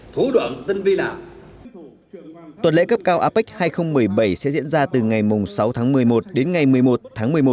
thủ đoạn tinh vi nào tuần lễ cấp cao apec hai nghìn một mươi bảy sẽ diễn ra từ ngày sáu tháng một mươi một đến ngày một mươi một tháng một mươi một